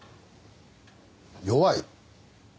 弱い？